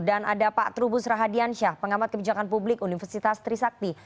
dan ada pak trubus rahadiansyah pengamat kebijakan publik universitas trisakti